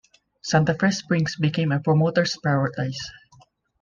Santa Fe Springs became a promoters' paradise.